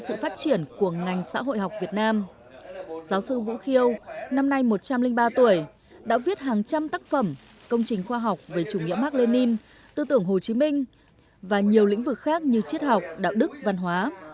thủ tướng hoàng tụy đã viết hàng trăm tác phẩm công trình khoa học về chủ nghĩa mark lenin tư tưởng hồ chí minh và nhiều lĩnh vực khác như triết học đạo đức văn hóa